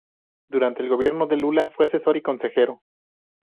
Durante el gobierno de Lula fue asesor y consejero.